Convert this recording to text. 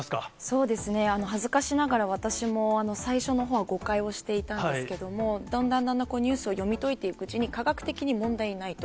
そうですね、恥ずかしながら、私も最初のほうは誤解をしていたんですけども、だんだんだんだんニュースを読み解いていくうちに、科学的に問題ないと。